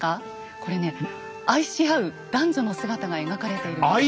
これね愛し合う男女の姿が描かれているんですよ。